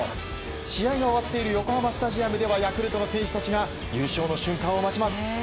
試合が終わっている横浜スタジアムではヤクルトの選手たちが優勝の瞬間を待ちます。